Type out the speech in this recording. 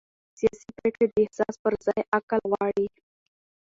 سیاسي پرېکړې د احساس پر ځای عقل غواړي